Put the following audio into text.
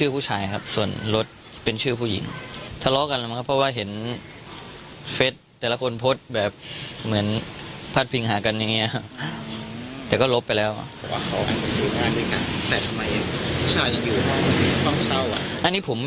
ผมคงเป็นหน้าหน่อยครับ